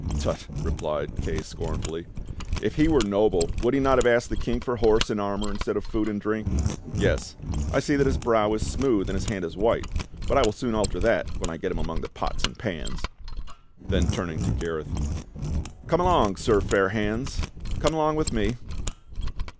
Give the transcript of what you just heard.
"Tut," replied Kay scornfully. ' "If he were noble would he not have asked the King for horse and armor instead of food and drink. Yes, I see that his brow is smooth and his hand white, but I will soon alter that when I get him among the pots and pans." Then turning to Gareth : "Come along. Sir Fair hands. Come along with me."